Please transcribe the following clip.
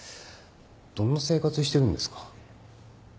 どんな生活してるんですか？